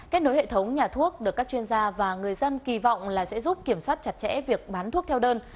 kết nối hệ thống nhà thuốc được các chuyên gia và người dân kỳ vọng là sẽ giúp kiểm soát chặt chẽ việc bán thuốc theo đơn